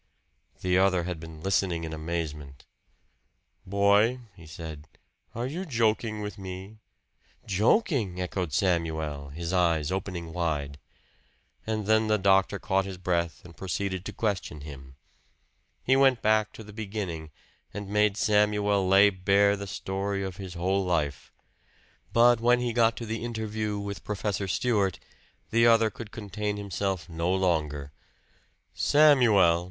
The other had been listening in amazement. "Boy," he said, "are you joking with me?" "Joking!" echoed Samuel, his eyes opening wide. And then the doctor caught his breath and proceeded to question him. He went back to the beginning, and made Samuel lay bare the story of his whole life. But when he got to the interview with Professor Stewart, the other could contain himself no longer. "Samuel!"